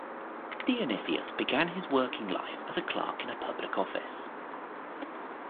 Dionysius began his working life as a clerk in a public office.